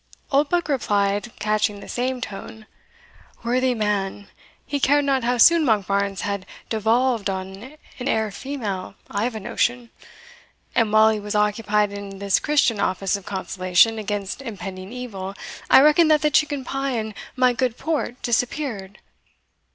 Oldbuck replied, catching the same tone, "Worthy man! he cared not how soon Monkbarns had devolved on an heir female, I've a notion; and while he was occupied in this Christian office of consolation against impending evil, I reckon that the chicken pie and my good port disappeared?"